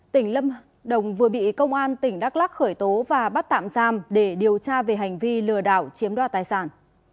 tỉnh lâm đồng vừa bị công an tỉnh đắk lắc khởi tố và bắt tạm giam để điều tra về hành vi lừa đảo chiếm đoạt tài sản